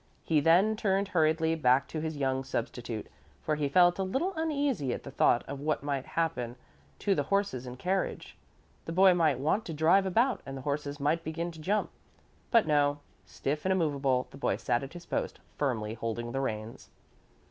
He then turned hurriedly back to his young substitute, for he felt a little uneasy at the thought of what might happen to the horses and carriage. The boy might want to drive about and the horses might begin to jump. But no; stiff and immovable, the boy sat at his post, firmly holding the reins.